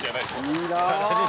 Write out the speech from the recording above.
いいなあ。